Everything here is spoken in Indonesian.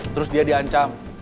terus dia diancam